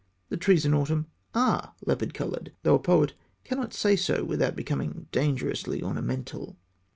The trees in autumn are leopard coloured, though a poet cannot say so without becoming dangerously ornamental.